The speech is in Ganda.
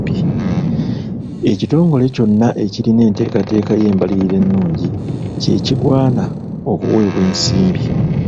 Ekitongole kyonna ekiyina enteekateeka y'embalirira ennungi kye kigwana okuweebwa ensimbi.